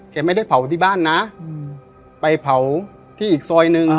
เขาไม่ได้เผาที่บ้านน่ะอืมไปเผาที่อีกซอยหนึ่งอ่า